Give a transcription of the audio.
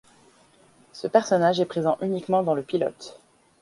Ce personnage est présent uniquement dans le pilote.